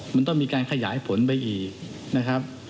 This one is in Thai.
มันต้องมีการขยายผลไปอีกนะครับ